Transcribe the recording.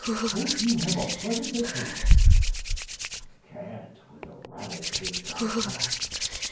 "Hope you have a pleasant vacation!" "Can't, with a rattlepate like that."